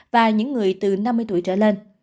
và những người từ năm mươi tuổi trở lên